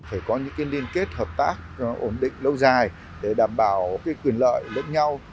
phải có những liên kết hợp tác ổn định lâu dài để đảm bảo quyền lợi lẫn nhau